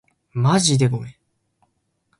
まじでごめん